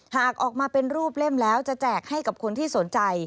หากออกมาเป็นรูปเล่มแล้วจะแจกให้กับคนที่สนใจ